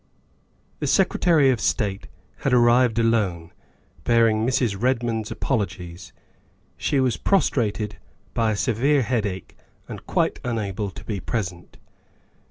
The Secretary of State had arrived alone, bearing Mrs. Redmond's apologies; she was prostrated by a severe headache and quite unable to be present.